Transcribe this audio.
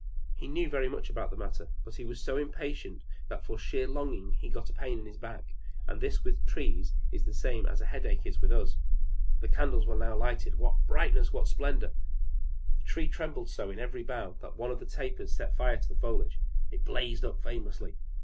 He knew very much about the matter but he was so impatient that for sheer longing he got a pain in his back, and this with trees is the same thing as a headache with us. The candles were now lighted what brightness! What splendor! The Tree trembled so in every bough that one of the tapers set fire to the foliage. It blazed up famously.